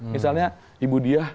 misalnya ibu diah